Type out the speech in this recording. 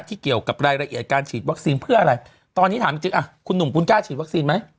เกี่ยวกับรายละเอียดการฉีดวัคซีนเพื่ออะไรตอนนี้ถามจริงอ่ะคุณหนุ่มคุณกล้าฉีดวัคซีนไหม